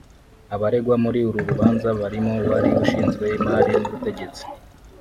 Abaregwa muri uru rubanza barimo uwari ushinzwe Imari n’Ubutegetsi